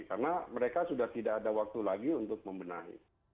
karena mereka sudah tidak ada waktu lagi untuk membenahi